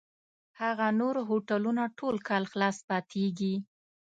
هغه نور هوټلونه ټول کال خلاص پاتېږي.